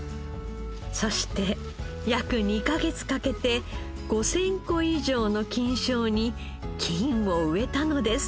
そして約２カ月かけて５０００個以上の菌床に菌を植えたのです。